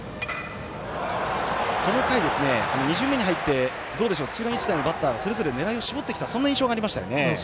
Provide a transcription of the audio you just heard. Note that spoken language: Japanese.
この回、２巡目に入って土浦日大のバッターそれぞれ狙いを絞ってきたそんな印象がありましたね。